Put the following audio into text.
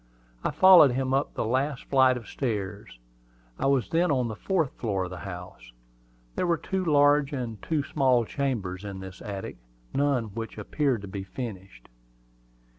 I followed him up the last flight of stairs. I was then on the fourth floor of the house. There were two large and two small chambers in this attic, none of which appeared to be furnished.